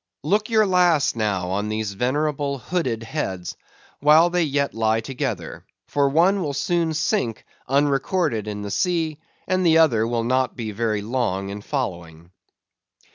Look your last, now, on these venerable hooded heads, while they yet lie together; for one will soon sink, unrecorded, in the sea; the other will not be very long in following.